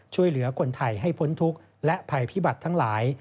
ช่วยเหลือคนไทยให้พ้นทุกข์และภัยพิบัติทั้งหลาย